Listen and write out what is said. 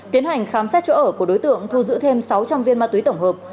tiến hành khám xét chỗ ở của đối tượng thu giữ thêm sáu trăm linh viên ma túy tổng hợp